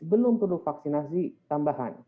belum perlu vaksinasi tambahan